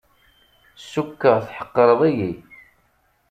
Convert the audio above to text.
Cukkeɣ tḥeqqreḍ-iyi.